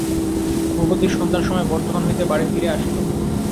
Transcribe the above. ভূপতি সন্ধ্যার সময় বর্ধমান হইতে বাড়ি ফিরিয়া আসিল।